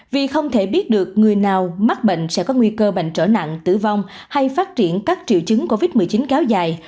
vì không thể biết được người nào mắc bệnh sẽ có nguy cơ bệnh trở nặng tử vong hay phát triển các triệu chứng covid một mươi chín kéo dài